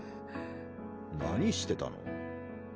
何してたの？